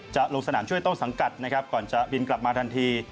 จะลงสนามช่วยต้นสังกัดนะครับก่อนจะบินกลับมาทันที